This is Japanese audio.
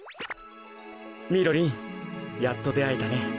みろりんやっとであえたね。